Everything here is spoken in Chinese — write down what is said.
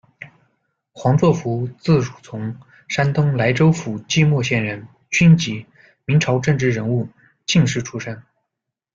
黄作孚，字汝从，山东莱州府即墨县人，军籍，明朝政治人物、进士出身。